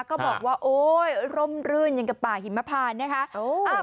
ก็บอกว่าโอ๊ยร่มรื่นอย่างกับป่าหิมพานนะคะ